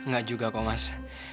gak juga kok mas